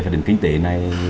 phản ứng kinh tế này